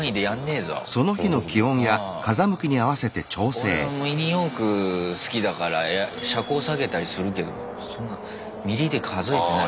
俺はミニ四駆好きだから車高下げたりするけどそんなミリで数えてない。